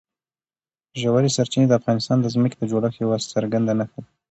ژورې سرچینې د افغانستان د ځمکې د جوړښت یوه څرګنده نښه ده.